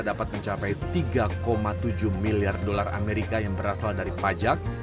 dapat mencapai tiga tujuh miliar dolar amerika yang berasal dari pajak